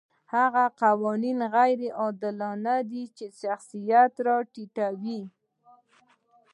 هغه قوانین غیر عادلانه دي چې شخصیت راټیټوي.